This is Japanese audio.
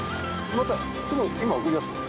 またすぐ今送り出す？